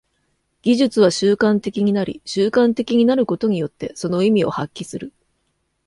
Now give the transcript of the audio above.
技術は習慣的になり、習慣的になることによってその意味を発揮する。